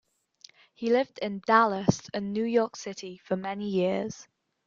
He lived in Dallas and New York City for many years.